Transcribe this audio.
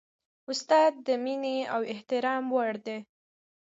استاد د مینې او احترام وړ دی.